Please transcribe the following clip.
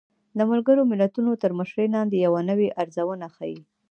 د ملګرو ملتونو تر مشرۍ لاندې يوه نوې ارزونه ښيي